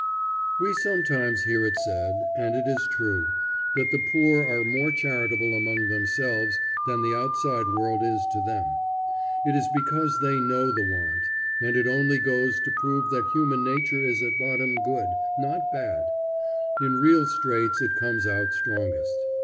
We sometimes hear it said, and it is true, that the poor are more charitable among themselves than the outside world is to them. It is because they know the want; and it only goes to prove that human nature is at bottom good, not bad. In real straits it comes out strongest.